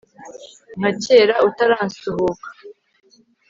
nka cyera utaransuhuka